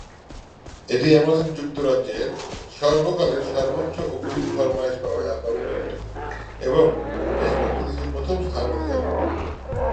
এটি অ্যামাজন যুক্তরাজ্যের সর্বকালের সর্বোচ্চ অগ্রিম-ফরমায়েশ পাওয়া অ্যালবাম হয়ে ওঠে এবং বেশকয়েকটি দেশে প্রথম স্থান অধিকার করে।